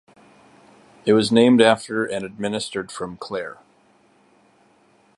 It was named after and administered from Clare.